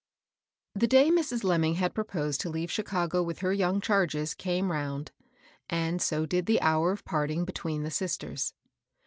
I HE day Mrs. Lemming had proposed to leave Chicago with her yomig charges came round, and so did the hour of parting between the sisters.